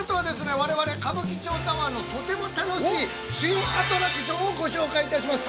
我々歌舞伎町タワーのとても楽しい新アトラクションをご紹介いたします。